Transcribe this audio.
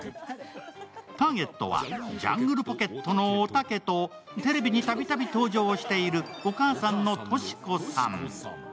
ターゲットはジャングルポケットのおたけとテレビにたびたび登場しているお母さんのトシ子さん。